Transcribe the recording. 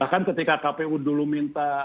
bahkan ketika kpu dulu minta